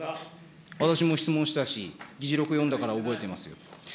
私も質問したし、議事録読んだから覚えてますよ。